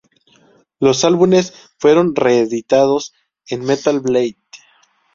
Los álbumes fueron reeditados en Metal Blade.